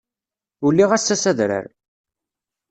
Uliɣ ass-a s adrar.